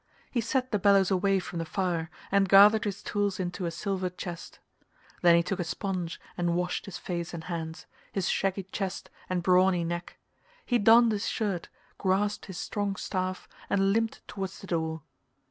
He set the bellows away from the fire, and gathered his tools into a silver chest. Then he took a sponge and washed his face and hands, his shaggy chest and brawny neck; he donned his shirt, grasped his strong staff, and limped towards the door.